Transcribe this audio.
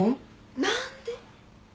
何で？